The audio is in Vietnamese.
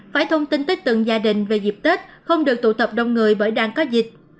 phải thông tin tới từng gia đình về dịp tết không được tụ tập đông người bởi đang có dịch